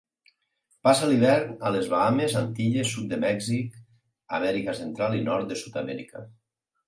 Passa l'hivern a les Bahames, Antilles, sud de Mèxic, Amèrica Central i nord de Sud-amèrica.